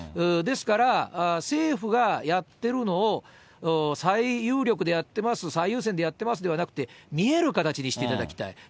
ですから、政府がやってるのを、最有力でやってます、最優先でやってますではなくて、見える形にしていただきたい。